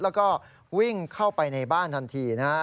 แล้วก็วิ่งเข้าไปในบ้านทันทีนะฮะ